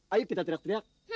ayo kita teriak teriak